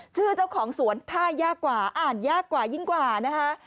ชื่อเจ้าของสวนถ้ายากกว่าอ่านยากกว่ายิ่งกว่านะคะ